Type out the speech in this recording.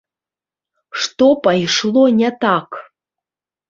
Што пайшло не так?